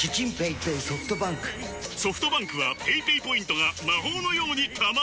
ソフトバンクはペイペイポイントが魔法のように貯まる！